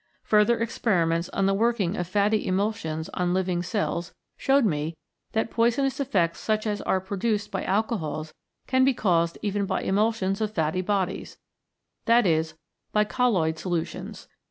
Further experiments on the working of fatty emulsions on living cells showed me that poisonous effects such as are produced by alcohols can be caused even by emulsions of fatty bodies, that is, by colloid solutions.